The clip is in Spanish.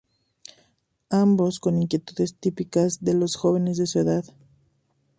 Ambos con inquietudes típicas de los jóvenes de su edad.